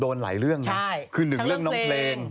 แต่ไม่รู้คนไหนผู้หญิงเยอะมากจริง